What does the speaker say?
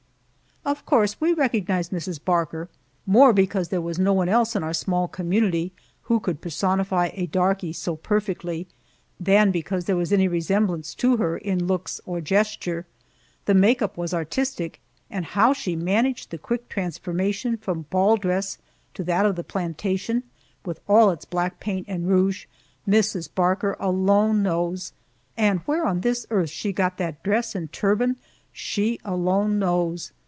Of course we recognized Mrs. Barker, more because there was no one else in our small community who could personify a darky so perfectly, than because there was any resemblance to her in looks or gesture. The make up was artistic, and how she managed the quick transformation from ball dress to that of the plantation, with all its black paint and rouge, Mrs. Barker alone knows, and where on this earth she got that dress and turban, she alone knows.